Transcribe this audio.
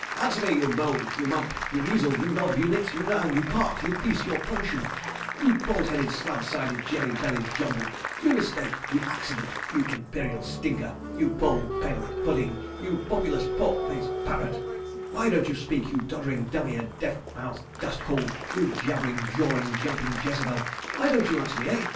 . Answer me, you mole; you mump; you measle; you knob; you nit; you noun; you part; you piece; you portion; you bald headed, slab sided, jelly bellied jumble; you mistake; you accident; you imperial stinker; you poor, pale pudding; you populous, pork faced parrot—why don't you speak, you doddering, dumb eared, deaf mouthed dust hole; you jabbering, jawing, jumping Jezebel, why don't you answer me? Eh?